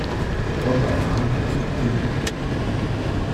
Dort waren Hahnenkämpfe populär.